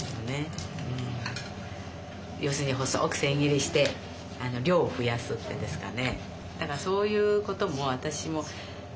要するに細く千切りして量を増やすってですかね。